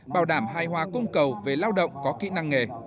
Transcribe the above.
bảo đảm hài hòa cung cầu về lao động có kỹ năng nghề